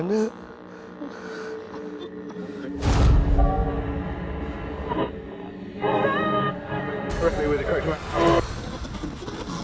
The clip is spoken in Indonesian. nggak ada kabarnya